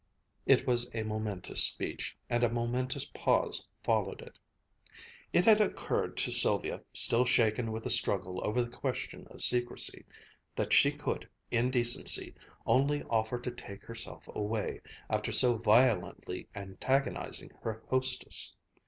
It was a momentous speech, and a momentous pause followed it. It had occurred to Sylvia, still shaken with the struggle over the question of secrecy, that she could, in decency, only offer to take herself away, after so violently antagonizing her hostess.